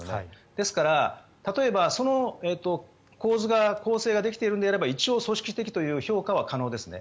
ですから例えばその構図が構成ができているのであれば一応、組織的という評価は可能ですね。